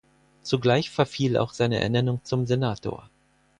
Zugleich verfiel auch seine Ernennung zum Senator.